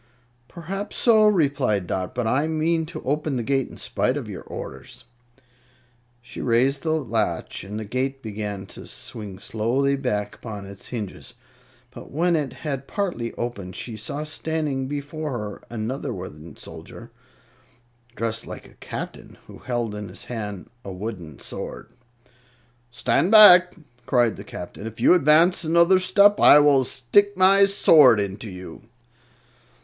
"Perhaps so," replied Dot; "but I mean to open the gate in spite of your orders." She raised the latch and the gate began to swing slowly back upon its hinges; but when it had partly opened, she saw standing before her another wooden soldier, dressed like a Captain, who held in his hand a wooden sword. "Stand back!" cried the Captain. "If you advance another step I will stick my sword into you."